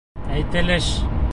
Әйтелеш